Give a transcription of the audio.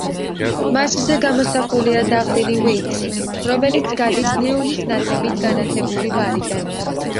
მასზე გამოსახულია დაღლილი უეიტსი, რომელიც გადის ნეონის ნათებით განათებული ბარიდან.